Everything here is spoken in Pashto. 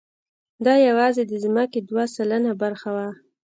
دا یواځې د ځمکې دوه سلنه برخه وه.